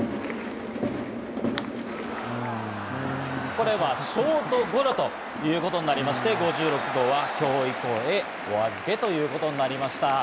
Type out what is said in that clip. これはショートゴロということになりまして、５６号は今日以降へお預けということになりました。